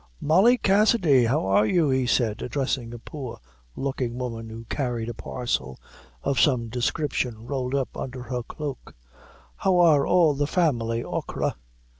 "Molly Cassidy, how are you?" he said, addressing a poor looking woman who carried a parcel of some description rolled up under her cloak; "how are all the family, achora?"